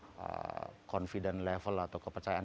untuk proses yang confident level atau kepercayaan